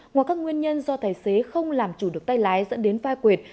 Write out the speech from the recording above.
ngoài các nguyên nhân do tài xế không làm chủ được tay lái dẫn đến vai quệt